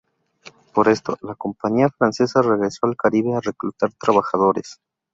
Por esto la compañía francesa regresó al Caribe a reclutar trabajadores.